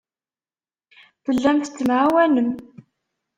Tellam tettemɛawanem.